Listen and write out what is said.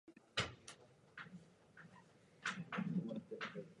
隊員達は記録でしかこの町のことを知らなかった。